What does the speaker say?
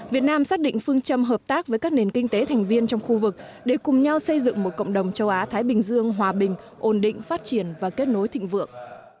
việt nam xác định phương châm hợp tác với các nền kinh tế thành viên trong khu vực để cùng nhau xây dựng một cộng đồng châu á thái bình dương hòa bình ổn định phát triển và kết nối thịnh vượng